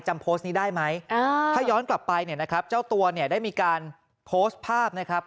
จำโพสต์นี้ได้ไหมถ้าย้อนกลับไปเนี่ยนะครับเจ้าตัวเนี่ยได้มีการโพสต์ภาพนะครับ